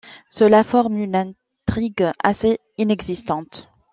Cela forme une intrigue assez inexistante.